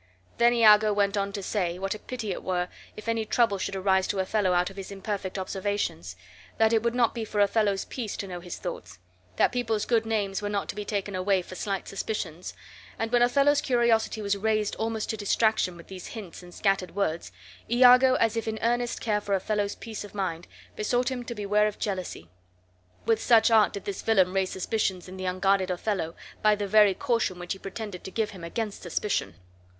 Then Iago went on to say, what a pity it were if any trouble should arise to Othello out of his imperfect observations; that it would not be for Othello's peace to know his thoughts; that people's good names were not to be taken away for slight suspicions; and when Othello's curiosity was raised almost to distraction with these hints and scattered words, Iago, as if in earnest care for Othello's peace of mind, besought him to beware of jealousy. With such art did this villain raise suspicions in the unguarded Othello, by the very caution which he pretended to give him against suspicion.